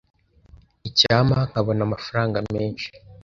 Icyampa nkabona amafaranga menshi.